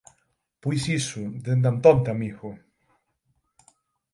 Pois iso! Dende antonte, amigo.